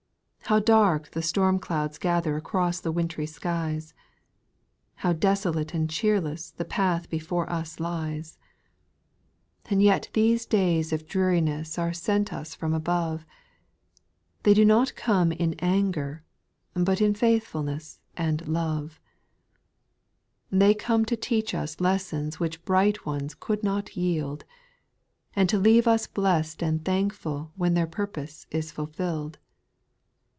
How dark the storm clouds gather across the wintry skies ! How desolate and cheerless the path before us lies I SPIRITUAL SONGS, 856 2. /^ And yet these days of dreariness are sent us from above, They do not come in anger, but in faithful ness and love ;— They come to teach us lessons which bright ones could not yield ; And to leave us blest and thankful when their purpose is fulfilled.